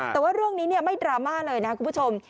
แต่ว่าเรื่องนี้ไม่ดราม่าเลยนะครับคุณผู้ชม